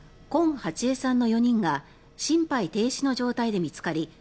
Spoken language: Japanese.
近ハチヱさんの４人が心肺停止の状態で見つかり